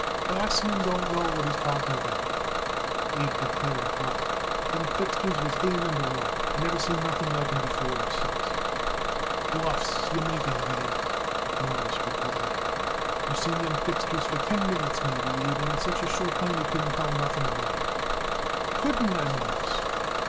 "Flachsman don't know what he's talking about," Abe declared hotly. "Them fixtures was A Number One. I never seen nothing like 'em before or since." "Bluffs you are making it, Abe," Morris replied. "You seen them fixtures for ten minutes, maybe, Abe, and in such a short time you couldn't tell nothing at all about 'em." "Couldn't I, Mawruss?"